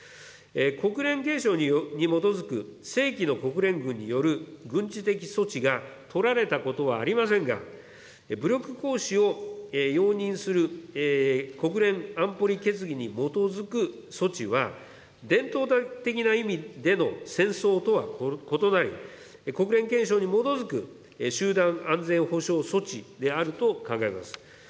国連憲章に基づく正規の国連軍による軍事的措置が取られたことはありませんが、武力行使を容認する国連安保理決議に基づく措置は、伝統的な意味での戦争とは異なり、国連憲章に基づく集団安全保障措置であると考えます。